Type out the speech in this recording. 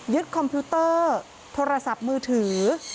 คอมพิวเตอร์โทรศัพท์มือถือ